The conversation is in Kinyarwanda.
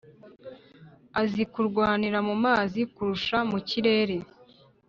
azi kurwanira mu mazi kurusha mu kirere